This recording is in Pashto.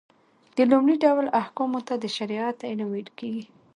د لومړي ډول احکامو ته د شريعت علم ويل کېږي .